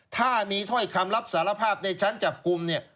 ถ้ามีถ้อยคำรับสารภาพในชั้นจับกลุ่มเนี่ย